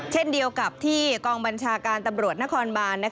เช่นเดียวกับที่กองบัญชาการตำรวจนครบาน